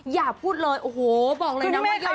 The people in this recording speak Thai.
อย่าพูดเลยโอ้โหบอกเลยนะว่า